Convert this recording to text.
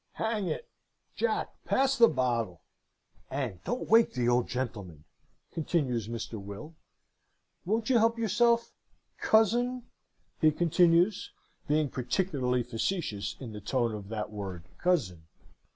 "'Hang it, Jack, pass the bottle, and don't wake the old gentleman!' continues Mr. Will. 'Won't you help yourself, cousin?' he continues; being particularly facetious in the tone of that word cousin.